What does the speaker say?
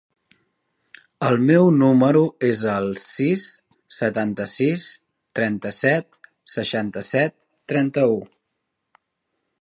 El meu número es el sis, setanta-sis, trenta-set, seixanta-set, trenta-u.